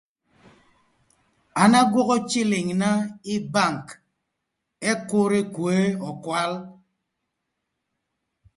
An agwökö cïlïngna ï bank ëk kür ekwoe ökwal.